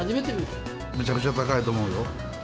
めちゃくちゃ高いと思うよ。